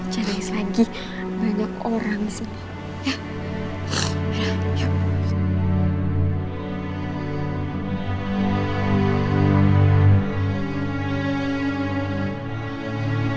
jangan lagi banyak orang sih